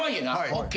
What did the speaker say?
ＯＫ！